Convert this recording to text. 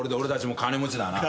金持ちだぞ。